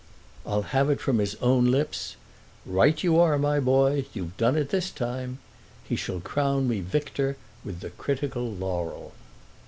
I'll have it from his own lips: 'Right you are, my boy; you've done it this time!' He shall crown me victor—with the critical laurel."